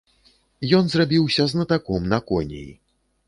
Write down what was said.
Ён зрабіўся знатаком на коней.